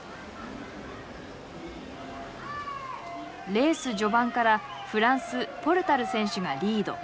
レース序盤からフランスポルタル選手がリード。